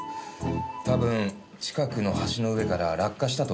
多分近くの橋の上から落下したと思われます。